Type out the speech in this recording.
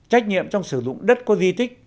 trách nhiệm trong sử dụng đất có di tích